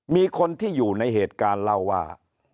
มีคนที่อยู่ในเหตุการณ์เล่าว่า